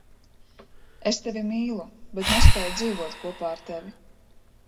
Es Tevi mīlu, bet nespēju dzīvot kopā ar Tevi!